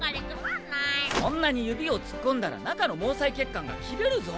そんなに指を突っ込んだら中の毛細血管が切れるぞ。